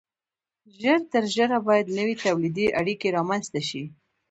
ژر تر ژره باید نوې تولیدي اړیکې رامنځته شي.